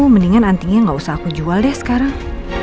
mendingan antinya gak usah aku jual deh sekarang